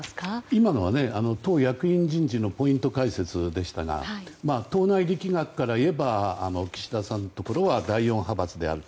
今のは党役員人事のポイント解説でしたが党内力学からいえば岸田さんのところは第４派閥であると。